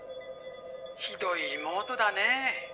「ひどい妹だねえ」